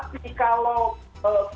tapi kalau fitnah